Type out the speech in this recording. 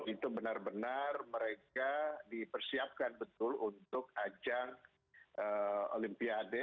itu benar benar mereka dipersiapkan betul untuk ajang olimpiade